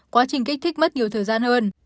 quá trình kích thích mất nhiều thời gian hơn